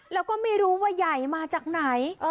แล้วก็ไม่รู้ว่าใหญ่มาจากไหน